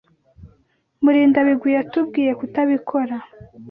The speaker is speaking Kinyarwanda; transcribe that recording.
Murindabigwi yatubwiye kutabikora.